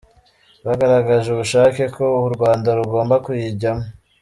Bagaragaje ubushake ko u Rwanda rugomba kuyijyamo.